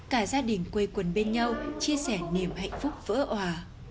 cả gia đình quây quần bên nhau chia sẻ niềm hạnh phúc vỡ hòa